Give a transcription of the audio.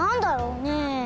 ねえ。